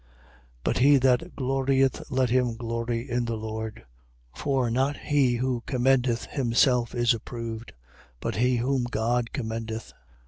10:17. But he that glorieth, let him glory in the Lord. 10:18. For not he who commendeth himself is approved: but he, whom God commendeth.